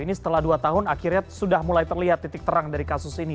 ini setelah dua tahun akhirnya sudah mulai terlihat titik terang dari kasus ini